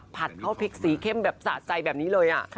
ผัดเข้าพริกสีเข้มแบบสะใจแบบนี้เลย